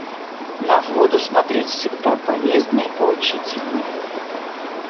На воду смотреть всегда полезно и поучительно.